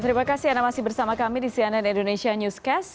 terima kasih anda masih bersama kami di cnn indonesia newscast